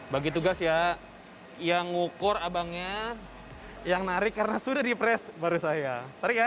bagi tugas ya yang mengukur abangnya yang menarik karena sudah di press baru saya tarik ya